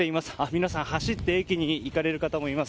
皆さん走って駅に行かれる方もいます。